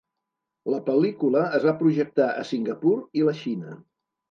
La pel·lícula es va projectar a Singapur i la Xina.